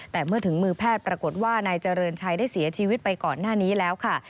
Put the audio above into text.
แต่เมื่อถึงมือแพทย์ปรากฏว่านายเจริญชัยได้เสียชีวิตไปก่อนหน้านี้แล้วค่ะ